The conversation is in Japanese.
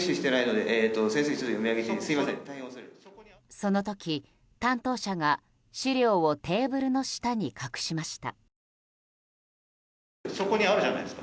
その時、担当者が資料をテーブルの下に隠しました。